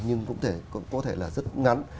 nhưng cũng có thể là rất ngắn